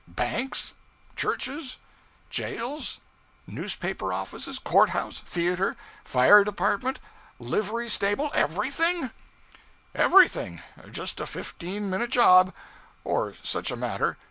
banks, churches, jails, newspaper offices, court house, theater, fire department, livery stable _everything _?' 'Everything. just a fifteen minute job.' or such a matter.